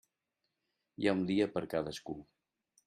Hi ha un dia per a cadascú.